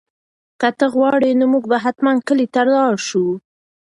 که ته وغواړې نو موږ به حتماً کلي ته لاړ شو.